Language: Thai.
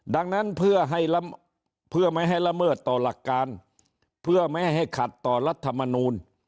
ดังนั้นเพื่อให้เพื่อไม่ให้ละเมิดต่อหลักการเพื่อไม่ให้ขัดต่อรัฐมนูล